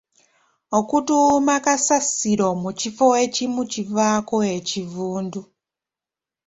Okutuuma kasasiro mu kifo ekimu kivaako ekivundu.